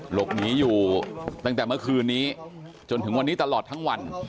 หลบหนีอยู่ตั้งแต่เมื่อคืนนี้จนถึงวันนี้ตลอดทั้งวัน